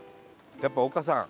やっぱ丘さん。